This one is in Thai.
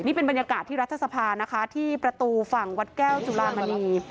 นี่เป็นบรรยากาศที่รัฐสภานะคะที่ประตูฝั่งวัดแก้วจุลามณี